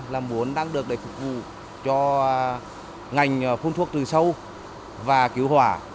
là muốn được phục vụ cho ngành phun thuốc từ sâu và cứu hỏa